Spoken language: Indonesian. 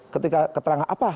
ketika keterangan apa